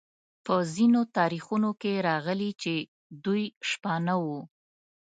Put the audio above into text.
په ځینو تاریخونو کې راغلي چې دوی شپانه وو.